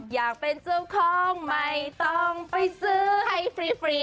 อยากเป็นเจ้าของไม่ต้องไปซื้อให้ฟรี